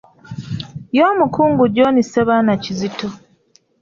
Y'omukungu John Ssebaana Kizito.